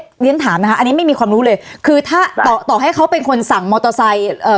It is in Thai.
เรียนถามนะคะอันนี้ไม่มีความรู้เลยคือถ้าต่อต่อให้เขาเป็นคนสั่งมอเตอร์ไซค์เอ่อ